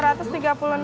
didouble aja biar kuat